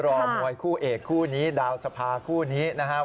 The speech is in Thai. รอมวยคู่เอกคู่นี้ดาวสภาคู่นี้นะครับ